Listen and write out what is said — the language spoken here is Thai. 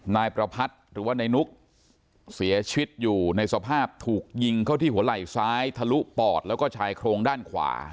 นายประพัทธ์หรือว่านายนุกเสียชีวิตอยู่ในสภาพถูกยิงเข้าที่หัวไหล่ซ้ายทะลุปอดแล้วก็ชายโครงด้านขวา